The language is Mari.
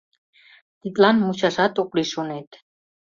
Тидлан мучашат ок лий, шонет...